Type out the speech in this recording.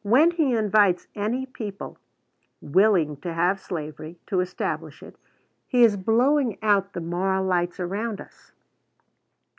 When he invites any people, willing to have slavery, to establish it, he is blowing out the moral lights around us.